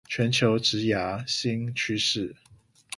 全球職涯新趨勢